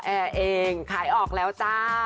แอร์เองขายออกแล้วจ้า